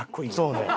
そうね。